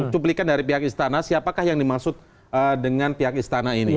cuplikan dari pihak istana siapakah yang dimaksud dengan pihak istana ini